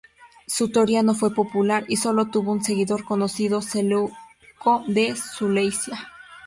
Su teoría no fue popular, y solo tuvo un seguidor conocido, Seleuco de Seleucia.